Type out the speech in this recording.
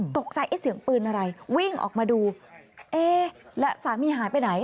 ตกใจไอ้เสียงปืนอะไรวิ่งออกมาดูเอ๊ะแล้วสามีหายไปไหน